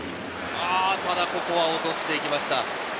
ただここは落として行きました。